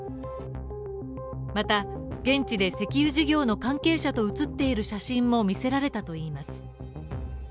また現地で石油事業の関係者と写っている写真も見せられたといいます。